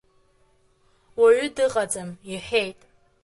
Уаҩы дыҟаӡам, — иҳәеит.